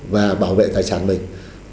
và bảo vệ tài sản mình